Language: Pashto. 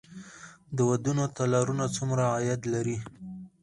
د ودونو تالارونه څومره عاید لري؟